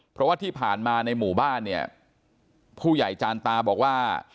เพราะว่าที่ผ่านมาในหมู่บ้านเนี่ยผู้ใหญ่จานตาบอกว่า